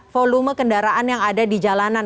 volume kendaraan yang ada di jalanan